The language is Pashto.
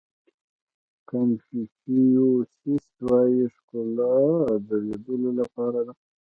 کانفیو سیس وایي ښکلا د لیدلو لپاره ده.